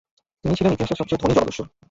তিনি ছিলেন ইতিহাসের সবচেয়ে ধনী জলদস্যু।